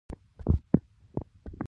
آیا د خسرګنۍ احترام کول پکار نه دي؟